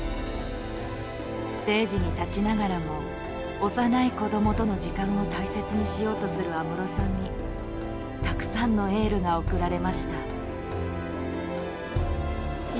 ステージに立ちながらも幼い子どもとの時間を大切にしようとする安室さんにたくさんのエールが送られました。